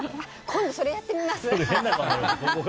今度、それやってみます。